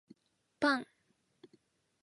パン